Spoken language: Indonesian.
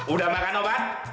udah makan obat